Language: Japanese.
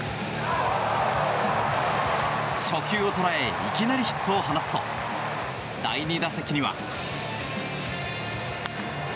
初球を捉えいきなりヒットを放つと第２打席には。